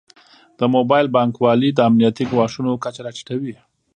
د موبایل بانکوالي د امنیتي ګواښونو کچه راټیټوي.